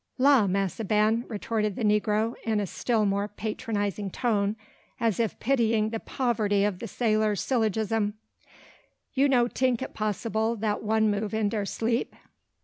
"Law, Massa Ben!" retorted the negro, in a still more patronising tone, as if pitying the poverty of the sailor's syllogism, "you no tink it possible that one move in dar sleep?